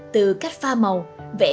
từ cách pha màu vẽ